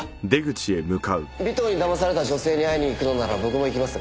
尾藤に騙された女性に会いに行くのなら僕も行きます。